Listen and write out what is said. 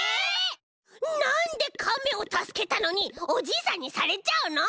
なんでカメをたすけたのにおじいさんにされちゃうの！？